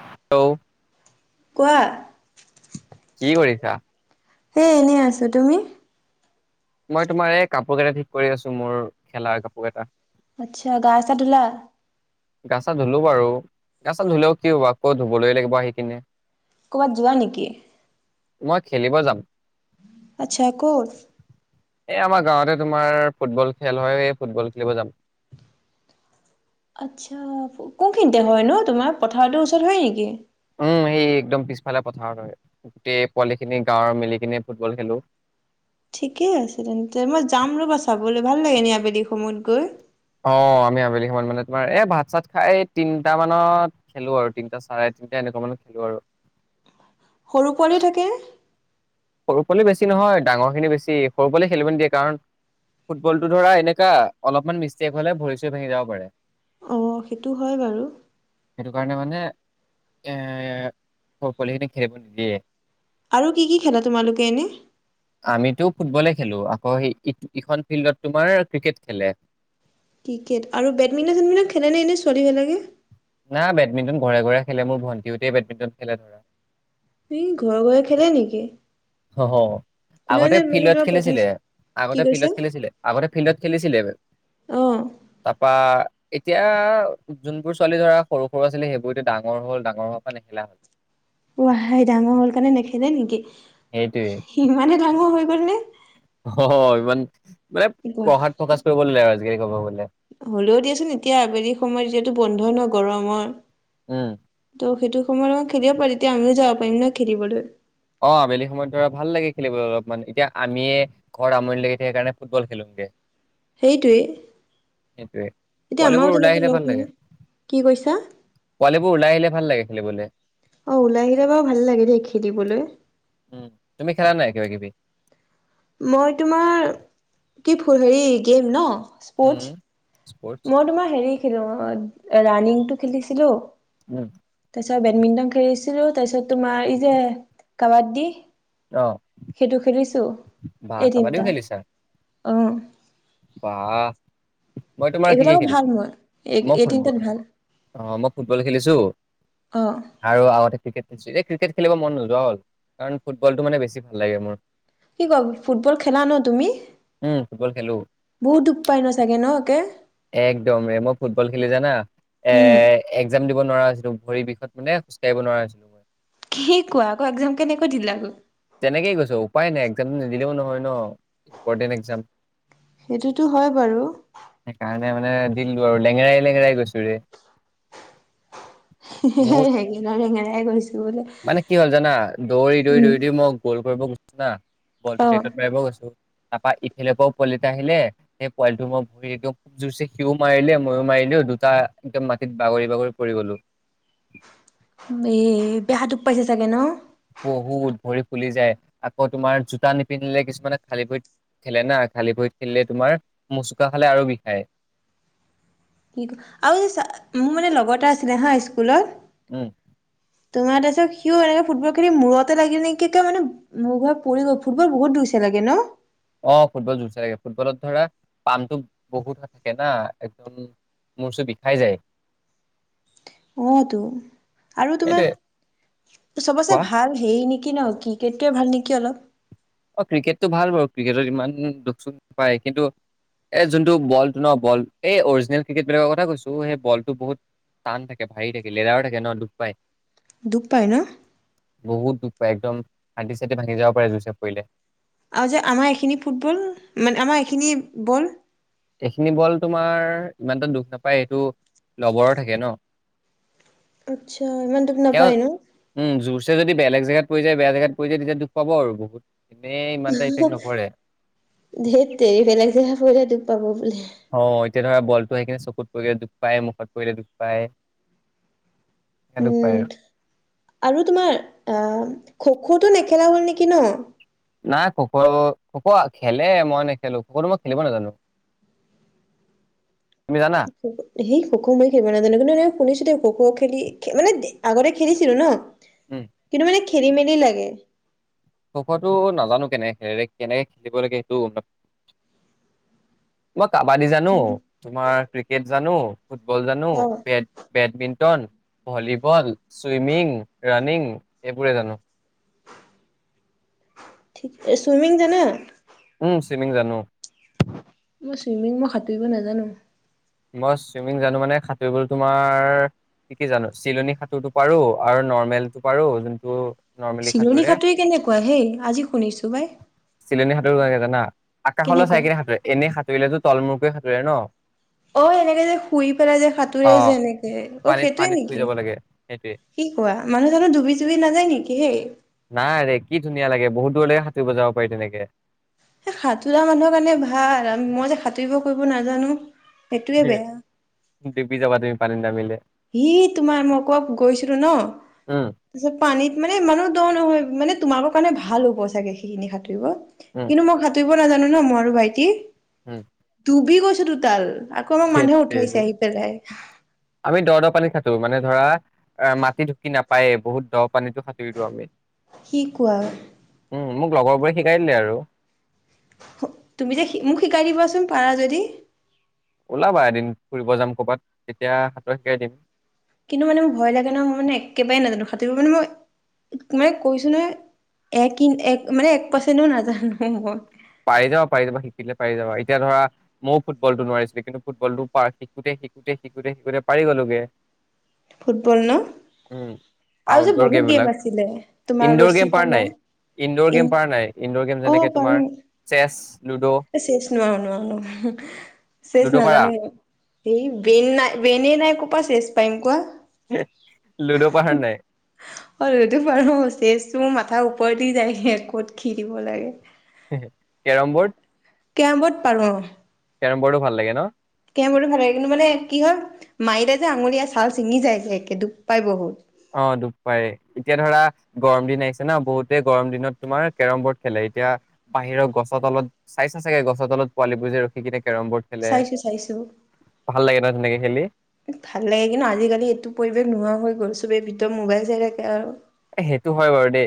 হ'ল। কোৱা আছা। হেই এনেই আছো তুমি। মই তোমাৰ এই কাপোৰ কেইটা ঠিক কৰি আছো মোৰ খেলা কাপোৰ কেইটা। আচ্ছা গাছা ধোলা। [inaudible] গা চা ধুলো বাৰু গা চা ধুলেও কি হ'বা আকৌ ধুবলেই লাগিব আহি কিনে কৰ'বাত যোৱা নেকি? মই খেলিব যাম। আচ্ছা ক'ত? এই আমাৰ গাঁৱতে তোমাৰ ফুটবল খেল হয় এই ফুটবল খেলিব যাম। আচ্ছা কোনখিনিতে হয় ন তোমাৰ পথাৰতৰ ওচৰত হয়ে নেকি? উম সেই একদম পিছফালে পথাৰত হয় গোটেই পোৱালি খিনি গাঁৱৰ মিলি কিনে ফুটবল খেলোঁ‌। ঠিকে আছে তেন্তে। মই যাম ৰ'বা চাবলৈ ভাল লাগে নি আবেলি সময়ত গৈ অ আমি আবেলি সমান মানে তোমাৰ এ ভাত চাত খাই তিনিটা মানত খেলো আৰু তিনটা চাৰে তিনিটা এনেকুৱা মানত খেলো আৰু সৰু পোৱালিও থাকে। সৰু পালে বেছি নহয় ডাঙৰ খিনি বেছি সৰু পালে খেলিবলৈ দিয়ে কাৰণ ফুটবলটো ধৰা এনেকুৱা অলপমান মিষ্টেক হলে ভৰি চৰি ভাঙি যাব পাৰে। অ' সেইটো হয় বাৰু ম মানে এ পালি খিনি খেলিব নিদিয়ে। আৰু কি কি খেলা তোমালোকে এনে আমিতো ফুটবলে খেলো আকৌ সেইখন ফিল্ডত তোমাৰ ক্ৰিকেট খেলে। ক্ৰিকেট আৰু বেডমিণ্টন চেডমিটন খেলে ন এনেই ছোৱালীবিলাকে? না বেডমিণ্টন ঘৰে ঘৰে খেলে মোৰ ভন্টিহতে বেডমিণ্টন খেলে ধৰা ই ঘৰে ঘৰে খেলে নেকি? হ অ' কোনে আগতে মানে মানে ফিল্ডত তোমাৰ পথাৰ খেলিছিলে কি আগতে কৈছা? ফিল্ডত খেলিছিলে আগতে ফিল্ডত খেলিছিলে অ। তাৰপা এতিয়া যোনবোৰ ছোৱালী ধৰা সৰু সৰু আছিলে সেইবোৰ এতিয়া ডাঙৰ হ'ল ডাঙৰ হোৱাৰ পৰা নেখেলা হ'ল। উহাই ডাঙৰ হ'ল কাৰণে নেখেনে নেকি? সেইটোৱে সিমানে ডাঙৰ হৈ গ'ল নে? অ' অ' অভিমান। মানে কি কোৱা? পঢ়াত ফকাশ কৰিবলৈ নেলা সেই ক'ব বোলে? হ'লেও দিয়াচোন এতিয়া আবেলি সময়ত যিহেতু বন্ধই নহ গৰমৰ। উম, ত সেইটো সময়ত খেলিব পাৰি তেতিয়া আমিও যাব। পাইম ন খেলিবলৈ অ আবেলি সময়ত ধৰা ভাল লাগে খেলিবলৈ অলপমান এতিয়া আমিয়ে ঘৰ আমনি লাগে থাক সেইকাৰণে ফুটবল খেলোগে সেইটোৱেই সেইটোৱে। এতিয়া পোৱালিবোৰ আমাৰো ওলাই তেনেকে আহিলে ভাল লগ লাগে, নাই, কি কৈছা? পোৱালিবোৰ ওলাই আহিলে ভাল লাগে খেলিবলে। অ ওলাই আহিলে বাৰু ভাল লাগে দেই খেলিবলৈ। [unintelligible] উম তুমি খেলা নাই? কিবা কিবি? মই তোমাৰ কি ফু হেৰি গেম ন [unintelligible] উম, স্পৰ্টছ মই তোমাৰ হেৰি হিলোঅ ৰাণিং টো খেলিছিলো উম, [unintelligible] তাৰপিছত বেডমিন্টন খেলিছিল টো তাৰপিছত তোমাৰ এই যে কাবাদ্ডী [unintelligible] অ' সেইটো খেলিছোঁ বা এই কাবাডীও তিনিটা অহ বা মই তোমাৰ কি কি এইবিলাকো ভাল খেলিচিলো? মই এই মই এই ফুটবল তিনিটাত ভাল অ মই ফুটবল খেলিছো অ আৰু আগতে ক্ৰিকট এই ক্ৰিকেট খেলিব মন নোযোৱা হ'ল কাৰণ ফুটবলটো মানে বেছি ভাল লাগে মোৰ কি কোৱা ফুটবল খেলা ন তুমি উম ফুটবল খেলো। বহুত দুখ পাই ন চাগে ন একে একদম ৰে মই ফুটবল খেলি জানা এ উম একজাম দিব নোৱাৰা হৈছিলো ভৰি বিষত মানে খোজকাঢ়িব নোৱাৰা হৈছিলো কি কোৱা আকৌ একজাম কেনেকৈ দিলে আকৌ তেনেকেই কৈছ উপায় নাই একজাম নিদিলেও নহয় ন ইম্পৰ্টেণ্ট এক্সাম সেইটোতো হয় বাৰু মে মানে দিললো আৰু লেঙেৰাই -লেঙেৰাই গৈছো ৰে। [unintelligible] বহুত ৰেঙেনা -ৰেঙেৰা গৈছো বোলে মানে কি হ'ল জানা দৌৰি দৌৰি উম', দৌৰি মই গ'ল কৰিব না বল অ টো নেটত মাৰিব গৈছো [unintelligible] তাৰপা ইফালৰ পৰাও পোৱালিটা আহিলে সেই পোৱালিটো মই ভৰি একদম খুব জোৰছে সিও মাৰিলে মইো মাৰিলোও দুটা একদম মাটিত বাগৰি বাগৰি পৰি গলো। [unintelligible] এ', বেয়া দুখ পাইছে চাগে ন? বহুত ভৰি ফুলি যায় আকৌ তোমাৰ জোতা নিপিন্ধিলে কিছুমানে খালী ভৰিত খেলে না খালী ভৰিত খেলিলে তোমাৰ মোচকা খালে আৰু বিষায়। [unintelligible] কি আৰু মোৰ মানে লগৰ এটা আছিলে হা স্কুলত উম', তোমাৰ তাৰপিছত সিও এনেকে ফুটবল খেলি মূৰতে লাগিল নেকি ক মানে মোৰ ঘৰত পৰি গৈ ফুটবল বহুত দুইছে লাগে ন। [unintelligible] অ', ফুটবল জুচ থাগে ফুটবলত ধৰা পামটো বহুত থাকে না একদম মূৰ চো বিষাই যায়। [unintelligible] অ', তো আৰু তোমাৰ সেইটোয়ে চবচে কোৱা ভাল হেই নেকি? কি ন ক্ৰিকেটকে ভাল নেকি অলপ। অঁ', ক্ৰিকেটটো ভাল বাৰু ক্ৰিকেটত ইমান দুখ চখ নাপায় কিন্তু এই যোনটো বলটো ন বল এই অৰিজিনেল ক্ৰিকেটবিলাকৰ কথা কৈছোঁ সেই বলটো বহুত টান থাকে ভাৰি থাকে লেডাৰো থাকে ন দুখ পায়। দুখ পায় ন? বহুত দুখ পায় একদম হান্তি চাটি ভাঙি যাব পাৰে জুই চ। কৰিলে। আৰু যে আমাৰ এইখিনি ফুটবল মানে আমাৰ এইখিনি বল। এইখিনি বল তোমাৰ ইমানটা দুখ নাপায় সেইটো লবৰৰ থাকে ন', আচ্ছা ইমান তোক তেওঁ নাপায় নো। উম জোৰছে যদি বেলেগ জেগাত পৰি যায় বেয়া জোত পৰি যায় তেতিয়া দুখ পাব আৰু বহুত। এনেই ইমান হে এটা ইফেক্ট -হে নপৰে ধেত তেৰি বেলেগ জেগা পৰিলে তো। তাব হয়', তেতিয়া ধৰা বলটো সেইখিনি চকুত পৰিলে দুখ পায় মুখত পৰিলে দুখ পায় স দুখ পায় উম আৰু আৰু তোমাৰ আহ খ খটো নেখেলা হ'ল নেকি ন। নাই খ- খ' খোক খেলে মই নেখেলো খোকোটো মই খেলিব নাজানো। তুমি জানা? সেই খ খো মই খেলিব নাজানো কিন্তু এ শুনিছো দে খ' খেলি মানে আগতে খেলিছিলো ন। কিন্তু মানে কি খেলি মেলি লাগে। খফটো নাজানো কেনেকে- কেনেকে খেলিব লাগে সেইটো। কাবাডী জানো উম, তোমাৰ। ক্ৰিকেট জানো। ফুটবল জানো অ' বেট। বেডমিণ্টন ভলীবল ছুইমিং ৰাণিং এইবোৰে জানো। চুইমিং জানা। উম', চুইমিং জানো। মই চুইমিং, মই সাঁতুৰিব নাজানো। মই চুইমিং জানো, মানে সাঁতোৰ বোৰ তোমাৰ কি, কি জানো! চিলনী সাঁতোৰটো পাৰো, আৰু নৰ্মেলটো পাৰো যোনটো নৰ্মেলি চিলনী সাঁতোৰে। সাঁতুৰি কেনেকুৱা হেই! আজি শুনিছো পাই। সাতুৰি জানা। আকাশলৈ চাই কিনে সাঁতুৰে, এনেই সাঁতুৰিলে তো তলূৰকৈ সাঁতুৰে। সাতুৰে ন। অ এনেকে যে শুই পেলাই যে, সাঁতুৰে অ' যে এনেকে, অ পানীত সেইটয়ে পানীত শুই নেকি, যাব লাগে সেইটোৱে। কি কোৱা? মানুহ জানো ডুবি চুবি নাযায় নেকি হেই? সাতুৰি জাব পাৰি তেনেকে। এ সাঁতোৰা মানুহৰ কাৰণে ভাল, মই যে সাঁতুৰিব কৰিব নাজানো। সেইটোয়ে হে! বেয়া। ডুবি যাবা তুমি পানীত নামিলে। সি তোমাৰ, ‌ মই কৰবাত গৈছিলো ন, উম, তাত পানীত মানে ইমানো দ‌ নহয় মানে তোমালোকৰ কাৰণে ভাল হ'ব চাগে সেইখিনি। উম, কিন্তু মই সাতোৰিব নাজানো ন মই আৰু ভাইটি উম! ভি গৈছিলো তাৰ। আকৌ আমাক মানুহ সেইটোৱে উঠাইছে আহি পেলাই। আমি দ দ পানীত সাঁতুৰো, মানে ধৰা মাটি ঢুকি নাপায়েই বহুত দ। পানীটো সাঁতুৰি দিওঁ আমি, কি কোৱা? উম। মোক লগৰ বোৰে শিকাই দিলে আৰু তুমি যে মোক শিকাই দিবাচোন পাৰা যদি! ওলাবা এদিন ফুৰিব যাম কৰ'বাত, তেতিয়া সাঁতুৰ শিকাই দিম। কিন্তু মানে মোৰ ভয় লাগে ন, মই মানে একেবাৰে নাজানো, সাতোৰিব মানে মই মানে কৈছো নহয়, একো মানে এক মাৰ্চেণ্ট নাজানো মই। পাৰি যাবা, পাৰি যাবা, শিকিলে পাৰি যাবা, এতিয়া ধৰা ময়ো ফুটবলটো নোৱাৰিছিলোঁ। কিন্তু ফুটবলটো শিকোতে শিকোতে শিকোতে পাৰি গলোগে। ফুটবল ন উম, আৰু যে আউটড'ৰ বহুত গেম বিলাক আছিলে তোমাৰ ইনড'ৰ ৰছী গেম পাৰা তনা, নাই? ইনড'ৰ গেম ই, পাৰা নাই? ইনড'ৰ গেম অ যেনেকে তোমাৰ পাৰোঁ। চেছ লুডো, এ শেচ নোৱাৰো নোৱাৰো। শেচ লুডো পাৰা? নাজানো এই বেন নাই বেনেই নাই কপা শেচ পাৰিম লুডো পাৰা কোৱা? নাই? আৰু সটো পাৰো, ছেচ তোৰ মাথাৰ ওপৰদি যায়হি ক'ত কি দিব লাগে। কেৰম বোৰ্ড কেমবৰ্ড পাৰো কেৰম বৰ্ড ভাল লাগে ন। কেম বৰো ভাল লাগে। কিন্তু মানে কি হয় মাৰিলে যে আঙুলীয়া চাল চিঙি যায় যে একে দুব পাই বহুত অ দুপ পাই। এতিয়া ধৰা গৰম দিন আহিছে ন বহুতে গৰম দিনত তোমাৰ কেৰম বৰ্ড খেলে। এতিয়া বাহিৰৰ গছৰ তলত চাই চা চাগে গছৰ তলত পোৱালি বোৰ যে ৰখি কেনে, চাইছো চাইছো। ভাল লাগে ন তেনেকে খেলি ভাল লাগে কিন্তু আজিকালি এইটো পৰিৱেশ নোহোৱা হৈ গৈছে। চবে ভিতৰত মোবাইল চাই থাকে আও সেইটো হয় বাৰু দেই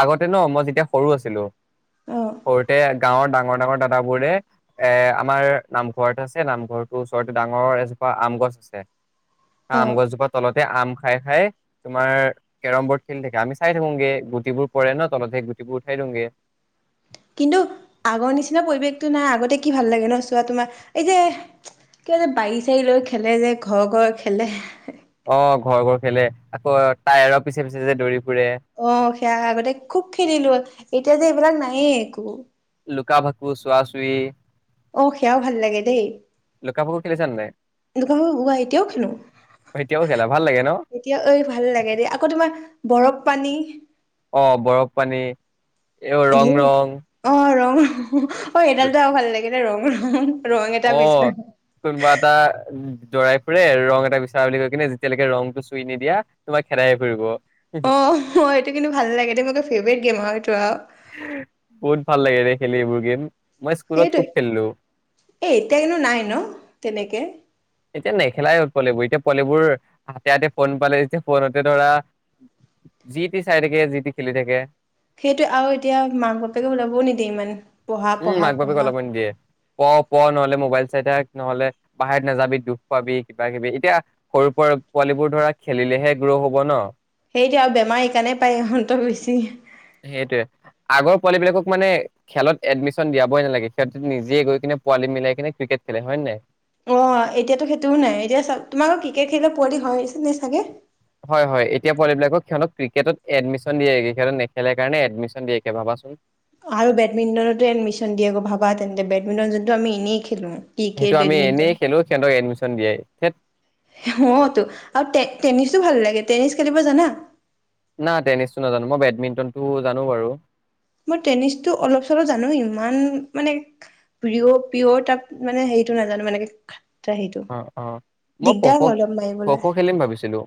আগতে ন মই যেতিয়া সৰু আছিলো, অ'। সৰুতে গাঁৱৰ ডাঙ ডাঙৰ ডাঙৰ দাদাবোৰে এ আমাৰ নামঘৰত আছে, নামঘৰটোৰ ওচৰতে ডাঙৰ এজোপা আম গছ আছে। আম অ', গছজোপা তলতে আম, খাই খাই তোমাৰ কেৰম বৰ্ড। খেলি থাকে আমি চাই থাকোগে গুটিবোৰ পৰে ন, তলতহে গুটিবোৰ উঠাই দিওঁ গে। কিন্তু আগৰ নিচিনা পৰিৱেশটো নাই। আগতে কি ভাল লাগে ন চোৱা তোমাৰ এই যে কিবা যে বাৰী চাৰী লৈ খেলে যে ঘৰ ঘৰ খেলে। অ ঘৰ ঘৰ খেলে। আকৌ টায়াৰৰ পিছে পিছে যে দৌৰি ফুৰে অ সেয়া আগতে খুব খেলিলো। এতিয়া যে এইবিলাক নাই। এ একো লুকা ভাকু, চুুৱা চুই, অ সেয়াও ভাল লাগে দেই। লুকা ভাকো খেলিছা নে নাই? দু গোৱা এতিয়াও খেলো। অ এতিয়াও খেলা ভাল লাগে ন এতিয়া এই ভাল লাগে দেই আকৌ তোমাৰ বৰফ পানী অ বৰফ পানী। এই ৰং ধেৰ ৰং অ। ৰং অ সেইডালত আৰু ভাল লাগে। নে ৰঙ ৰং এটা অ বিচাৰ তম ম আটা উ জৰাই ফুৰে আৰু ৰং এটা বিচাৰ বুলি কৈ কিনে যেতিয়ালৈকে ৰংটো চুই নিদিয়া তোমাক খেদাই ফুৰিব। অ ম এইটো কিন্তু ভাল লাগে দেই মোৰ যে ফেভৰেট গেম হয়। বহুত ভাল লাগে দে। খেলিব গেম মই স্কুলত সেইটো খুব খেলিলো এ এতিয়া কিন্তু নাই ন তেনেকে এতিয়া নেখেলাই হল পোৱালিবোৰ এতিয়া পোৱালিবোৰ হাতে হাতে ফোন পালে যেতিয়া ফোনতে ধৰা, যি টি চাই থাকে যি টি খেলি থাকে, সেইটো আৰু এতিয়া মাক বাপেকে ওলাবও নিদিয় ইমান পঢ়া উম, পঢ়া মাক বাপেকে পঢ়া ওলাব নিদিয়ে। প প নহ'লে মোবাইল চাই থাক নহ'লে বাহিৰত নাযাবি। দুখ পাবি কিবা কিবি এতিয়া সৰু পোৱালিবোৰ ধৰা খেলিলেহে গ্ৰ' হব ন। সেইটো আৰু বেমাৰ সেইকাৰণেই পায় ইহঁতৰ বেছি সেইটোৱে। আগৰ পোৱালী বিলাকক মানে খেলত এডমিশ্যন দিয়াবই নালাগে খেলত নিজে গৈ কিনে পোৱালি মিলাই কিনে ক্ৰিকেট খেলে হয় নে নাই। অ এতিয়াতো সেইটোও নাই এতিয়া তোমাক ক্ৰিকেট খেলিলে পোৱালি হয় হৈছে, নে চাগে? হয় হয় এতিয়া পোৱালিবিলাকক সিহঁত ক্ৰিকেটত এডমিয়েশন দিয়েকে সিহঁত নেখেলাৰ কাৰণে এডমিয়েশন দিয়ে ভাবাচোন আৰু বেডমিণ্টনতো এডমিচশন দিয়ে আকৌ ভাবা তেন্তে বেডমিণ্টন যোনটো আমি এনেই খেলো। ক্ৰিকেট সেইটো আমি বেডমিণ্টন এনেই খেলো সিহতক এড এডমিয়েশন দিয়ে অতো আৰু টেনিছো ভাল লাগে, টেনিছ খেলিব জানা? না টেনিছটো নাজানো মই বেডমিন্টনটো জানো বাৰু, মই টেনিছটো অলপ চলপ জানো ইমান মানে প্ৰিয় পিয়ৰ টাইপ মানে হেৰিটো নাজানো মানে সেইটো অ', অ', মই খ' দিগদাৰ হয় খ' অলপ খ' মাৰিবলৈ খ' খেলিম ভাবিছিলোঁ।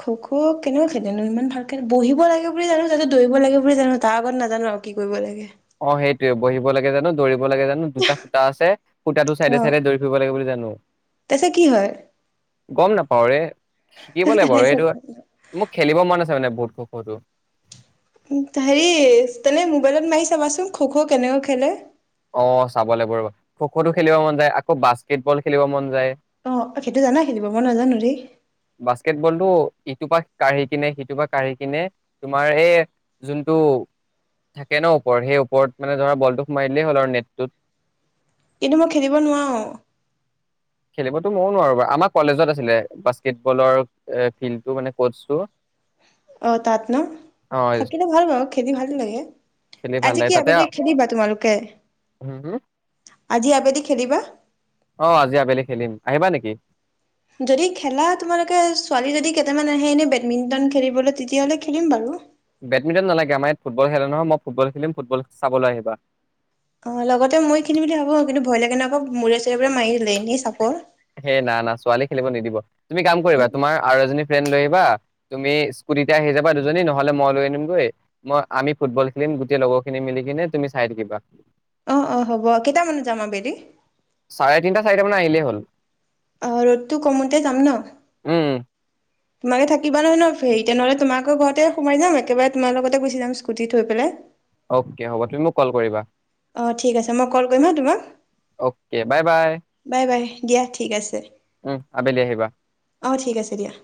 খ খ' কেনেকে খেলেনো ইমান ভালকে বহিব লাগে বুলি জানো তাতে দৌৰিব লাগে বুলি জানো। তাৰ আগত নাজানো আৰু কি কৰিব লাগে। অ সেইটোৱে বহিব লাগে জানো দৌৰিব দ লাগে জানো দুটা খুতা আছে। খুটাটোৰ অ চাইদে চাইদে দৌৰি ফুৰিব লাগে বুলি জানো। অ তাৰপিছত কি হয়? গম নাপাওৰে। শিকিব লাগিবা আৰু এইটো তাৰপিছত মোক খেলিব মন আছে মানে। [unintelligible] কৰো হেৰি, তেনে মোবাইলত মাৰি চাবাচোন, খ-খ' কেনেকৈ খেলে? অ, চাব লাগিব ৰ, খ-খ টো খেলিব মন যায়, আকৌ বাস্কেট বল খেলিব মন যায়। অ, সেইটো জানা খেলিব, মই নাজানো দেই। বাস্কেট বলটো ইটোৰ পৰা কাঢ়ি কিনে, সিটোৰ পৰা কাঢ়ি কিনে তোমাৰ এই যোনটো থাকে ন ওপৰত সেই ওপৰত মানে ধৰা বলটো সোমাই দিলে হ'ল আৰু নেট টো কিন্তু, মই খেলিব নোৱাৰো। খেলিবতো মই নোৱাৰো বাৰু, আমাৰ কলেজত আছিলে, বাস্কেটবলৰ ফিল্ডটো মানে কচটো অ, তাত ন অ থাকিলে ভাল বাৰু, খেলি ভালে লাগে, খেলি ভাল আজি লাগে কি তাতে আবেলি খেলিবা তোমালোকে? হম হম আজি আবেলি খেলিবা? অ, আজি আবেলি খেলিম, আহিবা নেকি? যদি খেলা তোমালোকে, ছোৱালী যদি কেইটামান আহে এনে বেডমিন্টন খেলিবলৈ তেতিয়াহলে খেলিম বাৰু। বেডমিণ্টন নালাগে, আমাৰ ইয়াত ফুটবল খেলে নহয়, মই ফুটবল খেলিম, ফুটবল চাবলৈ আহিবা। অ, লগতে মই খেলিম বুলি ভাবো, কিন্তু ভয় লাগে আকৌ মূৰে-চূৰে পৰা মাৰি দিলে, এনেই চাপৰ সেই, না-না ছোৱালী খেলিব নিদিব। তুমি কাম কৰিবা, তোমাৰ আৰু এজনী ফ্ৰেণ্ড লৈ আহিবা, তুমি স্কুটিতে আহি যাবা দুজনী নহলে মই লৈ আনিমগৈ, মই আমি ফুটবল খেলিম গোটেই লগৰ খিনি মিলি কিনে, তুমি চাই থাকিবা। অ-অ হ'ব, কেইটামানত যাম আবেলি? চাৰে তিনিটা, চাৰিটা মান আহিলেই হ'ল। অ, ৰ'দটো কমোতে যাম ন? উম তোমালোক থাকিবা নহয় ন, হেৰি তে নহলে তোমাৰ ঘৰতে সোমাই যাম, একেবাৰে তোমাৰ লগতে গুচি যাম স্কুটি থৈ পেলাই। অকে হ'ব, তুমি মোক কল কৰিবা। অ, ঠিক আছে, মই কল কৰিম হা তোমাক। অকে, বাই-বাই বাই বাই দিয়া ঠিক আছে। উম, আবেলি আহিবা। অ ঠিক আছে দিয়া।